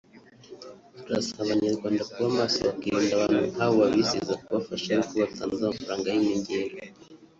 ”Turasaba Abanyarwanda kuba maso bakirinda abantu nk’abo babizeza kubafasha ari uko batanze amafaranga y’inyongera